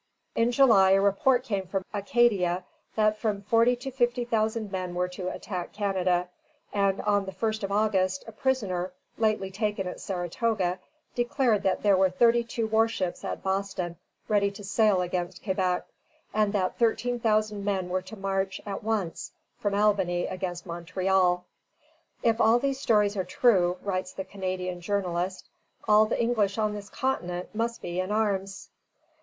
_] In July a report came from Acadia that from forty to fifty thousand men were to attack Canada; and on the 1st of August a prisoner lately taken at Saratoga declared that there were thirty two warships at Boston ready to sail against Quebec, and that thirteen thousand men were to march at once from Albany against Montreal. "If all these stories are true," writes the Canadian journalist, "all the English on this continent must be in arms."